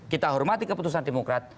kita hormati keputusan demokrat